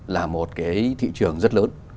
là một cái thị trường rất lớn